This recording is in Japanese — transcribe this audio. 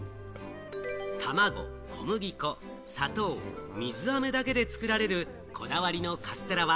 卵、小麦粉、砂糖、水あめだけで作られるこだわりのカステラは、